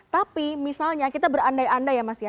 tapi misalnya kita berandai andai ya mas ya